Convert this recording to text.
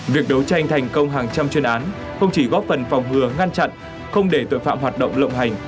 việc đấu tranh thành công hàng trăm chuyên án không chỉ góp phần phòng ngừa ngăn chặn không để tội phạm hoạt động lộng hành